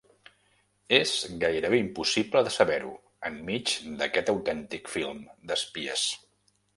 És gairebé impossible de saber-ho, enmig d’aquest autèntic film d’espies.